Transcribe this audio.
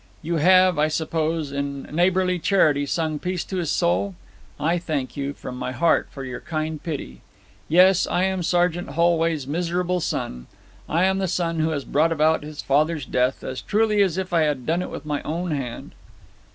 You have, I suppose, in neighbourly charity, sung peace to his soul? I thank you, from my heart, for your kind pity. Yes; I am Sergeant Holway's miserable son I'm the son who has brought about his father's death, as truly as if I had done it with my own hand!'